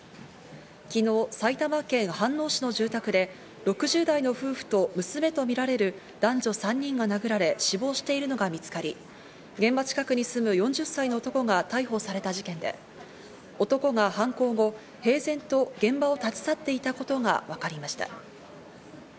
昨日、埼玉県飯能市の住宅で、６０代の夫婦と娘とみられる男女３人が殴られ、死亡しているのが見つかり、現場近くに住む４０歳の男が逮捕された事件で、男が犯行後、平然と現場を立ち去っていたことがわかりました。